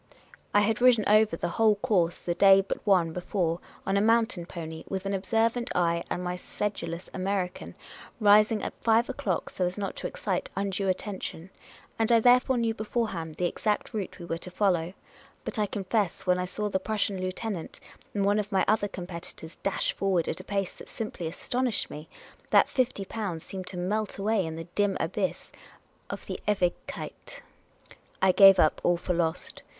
I had ridden over the whole course the day but one be fore, on a mountain pony, with an observant eye and n\y sedulous American — rising at five o'clock, so as not to excite undue attention ; and I therefore knew beforehand the exact route we were to follow ; but I confess when I saw the Prus sian lieutenant and one of my other competitors dash forward at a pace that simply astonished me, that fifty pounds seemed to melt away in the dim abyss of the Ewigkeit. I gave up all for lost.